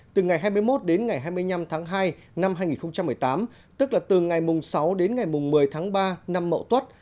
từ ngày hai mươi một đến ngày hai mươi năm tháng hai năm hai nghìn một mươi tám tức là từ ngày mùng sáu đến ngày một mươi tháng ba năm mậu tuất